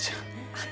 あっ。